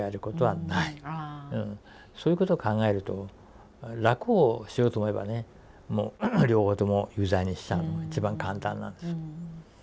そういうこと考えると楽をしようと思えばね両方とも有罪にしちゃうのが一番簡単なんです。